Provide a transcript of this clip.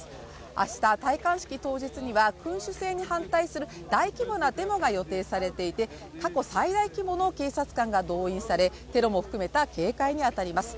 明日、戴冠式当日には君主制に反対する大規模なデモが予定されていて過去最大規模の警察官が動員され、テロも含めた警戒に当たります。